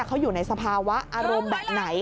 เขาอยู่ในสภาวะอารมณ์แบบไหน